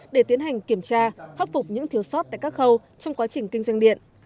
để tiến hành kiểm tra hấp phục những thiếu sót tại các khâu trong quá trình kinh doanh điện